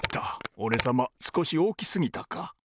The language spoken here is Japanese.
おれさますこしおおきすぎたか。